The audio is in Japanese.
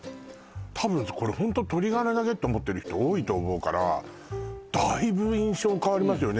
多分これホント鶏がらだけって思ってる人多いと思うからだいぶ印象変わりますよね